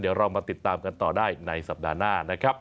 เดี๋ยวเรามาติดตามกันต่อได้ในสัปดาห์หน้านะครับ